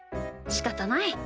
しかたない。